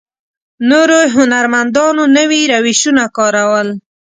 نورو هنرمندانو نوي روشونه کارول.